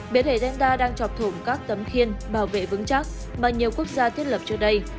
biến thể denta đang chọc thủng các tấm khiên bảo vệ vững chắc mà nhiều quốc gia thiết lập trước đây